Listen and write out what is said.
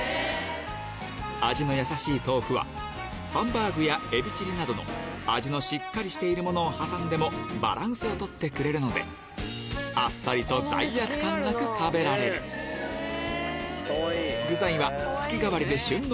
味のやさしい豆腐はハンバーグやエビチリなどの味のしっかりしているものを挟んでもバランスを取ってくれるのであっさりと罪悪感なく食べられる旬の食材